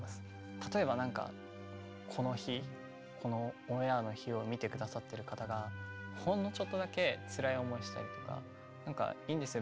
例えばなんかこの日このオンエアの日を見て下さってる方がほんのちょっとだけつらい思いしたりとかいいんですよ